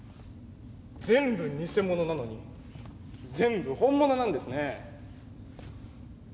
全部偽物なのに全部本物なんですねえ。